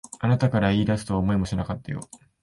あなたから言い出すとは思いもしなかったよ。